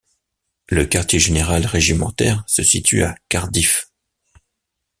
Le quartier général régimentaire se situe à Cardiff.